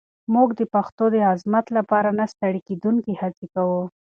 موږ د پښتو د عظمت لپاره نه ستړې کېدونکې هڅې کوو.